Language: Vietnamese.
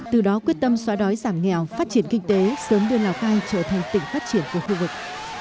từ đó quyết tâm xóa đói giảm nghèo phát triển kinh tế sớm đưa lào cai trở thành tỉnh phát triển của khu vực